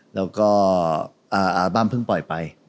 แล้วก็อาบั้มเพิ่งปล่อยไป